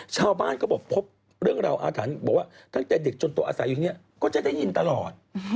ชาวบ้านก็บอกพบเรื่องราวอาถรรพ์บอกว่าตั้งแต่เด็กจนตัวอาศัยอยู่เนี่ยก็จะได้ยินตลอด